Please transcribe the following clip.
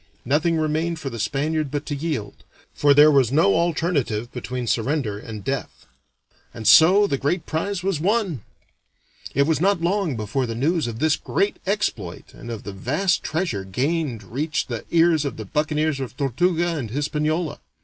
Nothing remained for the Spaniard but to yield, for there was no alternative between surrender and death. And so the great prize was won. It was not long before the news of this great exploit and of the vast treasure gained reached the ears of the buccaneers of Tortuga and Hispaniola.